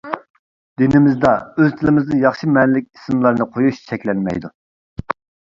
دىنىمىزدا ئۆز تىلىمىزدا ياخشى مەنىلىك ئىسىملارنى قويۇش چەكلەنمەيدۇ.